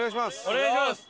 お願いします！